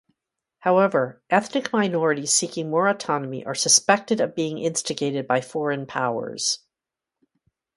However, ethnic minorities seeking more autonomy are suspected of being instigated by foreign powers.